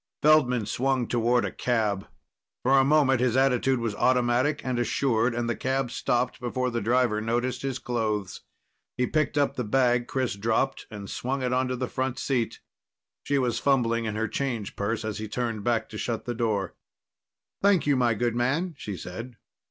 Feldman swung toward a cab. For a moment, his attitude was automatic and assured, and the cab stopped before the driver noticed his clothes. He picked up the bag Chris dropped and swung it onto the front seat. She was fumbling in her change purse as he turned back to shut the door. "Thank you, my good man," she said.